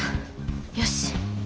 よし。